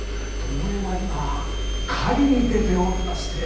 巴は今狩りに出ておりまして。